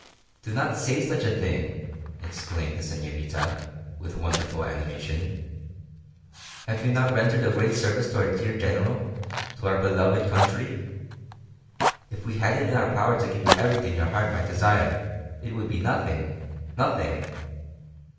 "Do not say such a thing!" exclaimed the señorita, with wonderful animation. "Have you not rendered a great service to our dear General to our beloved country! If we had it in our power to give you everything your heart might desire it would be nothing, nothing.